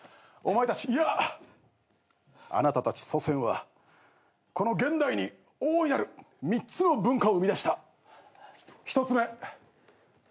お前たちいやあなたたち祖先はこの現代に大いなる３つの文化を生み出した。